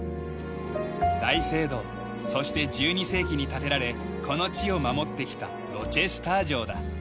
大聖堂そして１２世紀に建てられこの地を守ってきたロチェスター城だ。